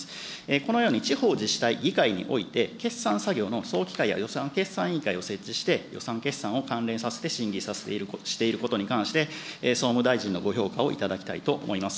このように地方自治体議会において、決算作業の早期化や予算決算委員会を設置して、予算決算を関連させて審議していることに関して、総務大臣のご評価をいただきたいと思います。